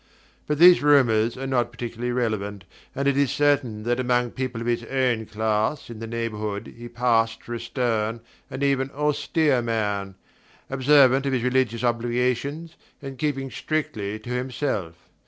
But these rumours are not particularly relevant, and it is certain that among people of his own class in the neighbourhood he passed for a stern and even austere man, observant of his religious obligations, and keeping strictly to himself.